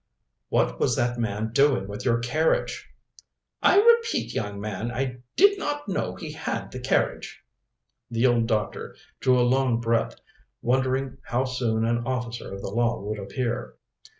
"What was that man doing with your carriage?" "I repeat, young man, I did not know he had the carriage." The old doctor drew a long breath, wondering how soon an officer of the law would appear.